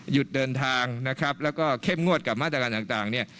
หยุดเดินทางนะครับแล้วก็เข้มงวดกับมาตรการต่างเนี่ย